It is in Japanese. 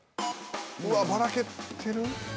うわばらけてる？